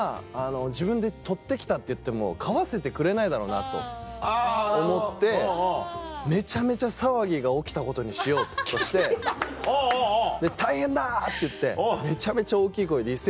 「自分で捕って来た」って言っても飼わせてくれないだろうなと思ってめちゃめちゃ騒ぎが起きたことにしようとして大変だ！って言ってめちゃめちゃ大きい声で威勢